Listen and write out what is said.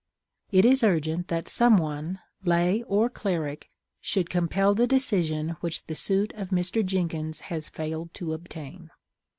It is urgent that some one, lay or cleric, should compel the decision which the suit of Mr. Jenkins has failed to obtain.